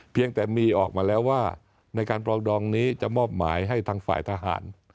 เพียงแต่มีออกมาแล้วว่าในการปรองดองนี้จะมอบหมายให้ทางฝ่ายทหาร